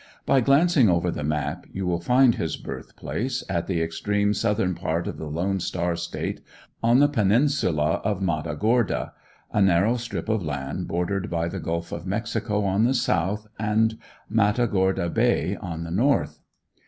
By glancing over the map you will find his birthplace, at the extreme southern part of the Lone Star State, on the Peninsula of Matagorda, a narrow strip of land bordered by the Gulf of Mexico on the south and Matagorda Bay on the north.